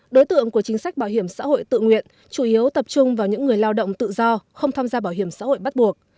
đối tượng của chính sách bảo hiểm xã hội tự nguyện chủ yếu tập trung vào những người lao động tự do không tham gia bảo hiểm xã hội bắt buộc